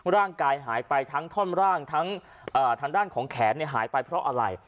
ร่างกายหายไปทั้งท่อนร่างทั้งทางด้านของแขนหายไปเพราะอะไร